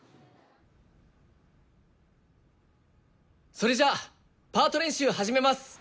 それじゃあパート練習始めます！